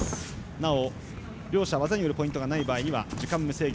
なお、両者技によるポイントがない場合は時間無制限